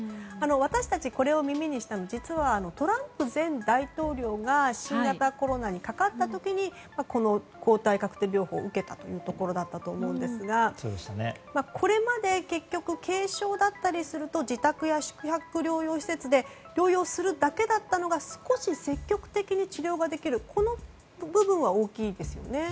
私たち、これを耳にしたの実はトランプ前大統領が新型コロナにかかった時にこの抗体カクテル療法を受けたということだったと思いますがこれまで、結局軽症だったりすると自宅や宿泊療養施設で療養するだけだったのが少し積極的に治療ができる、この部分は大きいですよね。